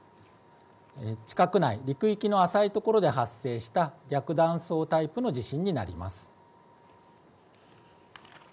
地殻内、陸域内で発生した逆断層タイプの地震になります。